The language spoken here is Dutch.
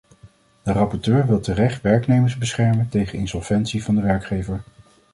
De rapporteur wil terecht werknemers beschermen tegen insolventie van de werkgever.